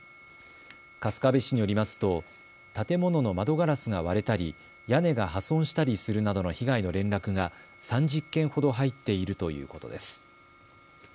春日部市によりますと建物の窓ガラスが割れたり屋根が破損したりするなどの被害の連絡が３０件ほど入っているということです。